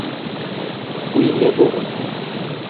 Wî neborand.